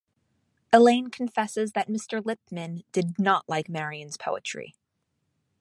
Elaine confesses that Mr. Lippman did not like Marion's poetry.